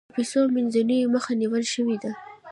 د پیسو مینځلو مخه نیول شوې ده؟